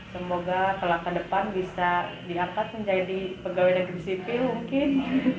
semoga ke langkah depan bisa diangkat menjadi pegawai negeri sipil mungkin